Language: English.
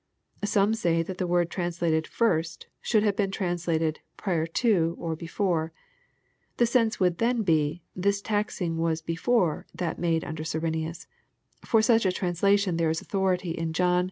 Some say that the word translated, " first," should have been translated, " prior to," or " before." The sense would then be, 'this taxing was before that made under Cyrenius." For such a translation there is authority in John i.